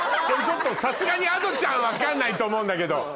これちょっとさすがにＡｄｏちゃん分かんないと思うんだけど。